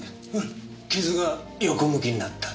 傷が横向きになった。